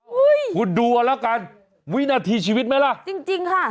คุณดูเอาละกันวินาทีชีวิตไหมล่ะจริงจริงค่ะ